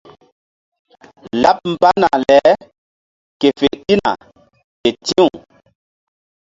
Laɓ mbana le ke fe ɗina ke ti̧w.